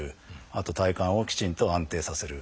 あと体幹をきちんと安定させる。